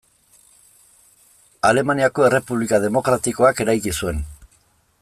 Alemaniako Errepublika demokratikoak eraiki zuen.